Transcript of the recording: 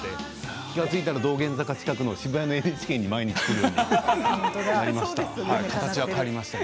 気が付いたら道玄坂近くの渋谷のＮＨＫに毎日、来るようになりました。